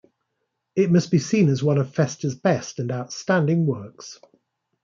It must be seen as one of Festa's best and outstanding works.